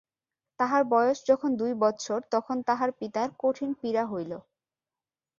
তাহার বয়স যখন দুই বৎসর তখন তাহার পিতার কঠিন পীড়া হইল।